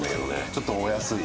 ちょっとお安い。